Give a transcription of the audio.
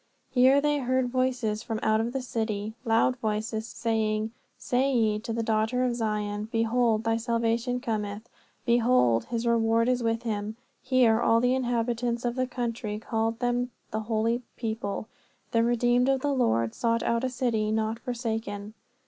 Here they heard voices from out of the city, loud voices, saying, Say ye to the daughter of Zion, Behold, thy salvation cometh; behold, his reward is with him. Here all the inhabitants of the country called them the holy people, the redeemed of the Lord, sought out, a city not forsaken.